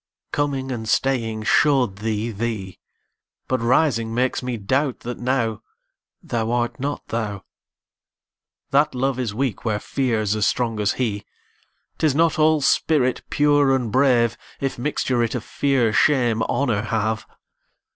Coming and staying show'd thee thee; But rising makes me doubt that nowThou art not thou. That Love is weak where Fear's as strong as he;'Tis not all spirit pure and brave, If mixture it of Fear, Shame, Honour have.